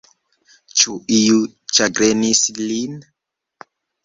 Ĉu iu ĉagrenis lin?